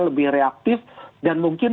lebih reaktif dan mungkin